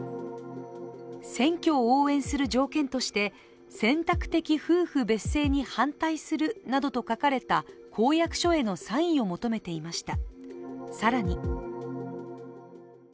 選挙を応援する条件として選択的夫婦別姓に反対するなどと書かれた公約書へのサインを求めていました。